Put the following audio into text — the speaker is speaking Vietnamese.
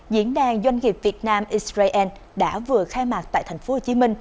diễn đàn doanh nghiệp việt nam israel đã vừa khai mạc tại tp hcm